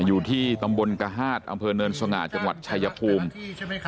อยู่ที่ตำบลกระฮาดอำเภอเนินสง่าจังหวัดชายภูมิใช่ไหมคะ